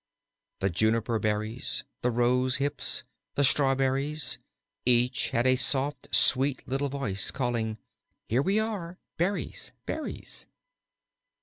The juniper berries, the rosehips, the strawberries, each had a soft, sweet little voice, calling, "Here we are Berries, Berries."